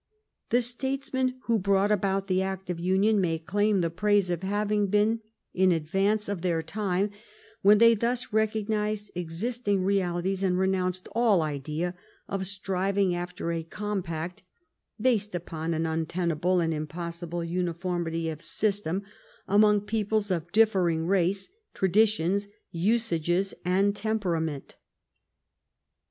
The statesmen who brought about the act of union may claim the praise of having been in advance of their time when they thus recognized exist ing realities and renounced all idea of striving after a compact based upon an untenable and impossible uni formity of system among peoples of differing race, tra ditions, usages, and temperament.